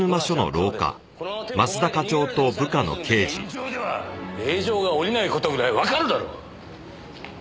現状では令状が下りない事ぐらいわかるだろう！